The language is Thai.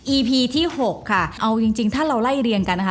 พีที่๖ค่ะเอาจริงจริงถ้าเราไล่เรียงกันนะคะ